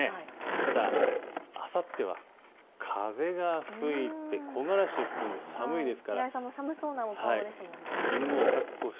ただ、あさっては風が吹いて木枯らしが吹くので寒いですから。